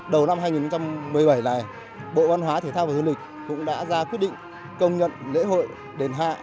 đầu năm hai nghìn một mươi bảy này bộ văn hóa thể thao và du lịch cũng đã ra quyết định công nhận lễ hội đền hạ